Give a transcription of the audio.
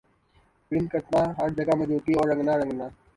پرند کرنا ہَر جگہ موجودگی اور رنگنا رنگنا